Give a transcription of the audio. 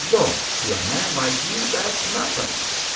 Lord! to a man like you that's nothin'."